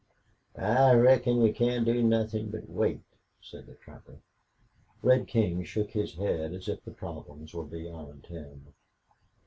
"I reckon we can't do nothin' but wait," said the trapper. Red King shook his head as if the problem were beyond him.